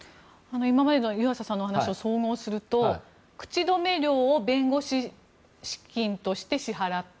今までの湯浅さんのお話を総合すると口止め料を弁護士資金として支払った。